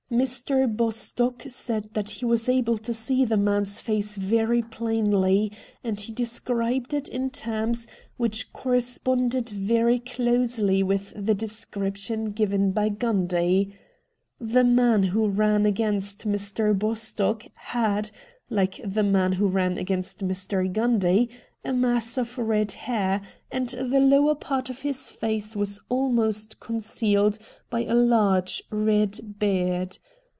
Mr. Bostock said that he was able to see the man's face very plainly, and he described it in terms which corre 200 RED DIAMONDS sponded very closely with the description given by Gundy. The man who ran against Mr. Bostock had, like the man who ran against Mr. Gundy, a mass of red hair, and the lower part of his face was almost con cealed by a large red beard.